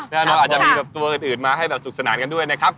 แล้วเราอาจจะมีตัวอื่นมาให้สุขสนานกันด้วยนะครับ